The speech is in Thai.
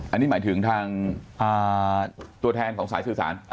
อันนี้หมายถึงทางตัวแทนของสายสื่อสาร